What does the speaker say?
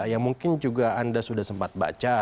yang mungkin juga anda sudah sempat baca